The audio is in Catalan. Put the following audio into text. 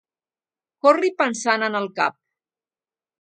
Corri pensant en el cap.